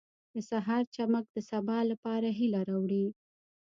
• د سهار چمک د سبا لپاره هیله راوړي.